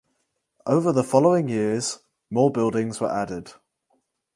Over the following years more buildings were added.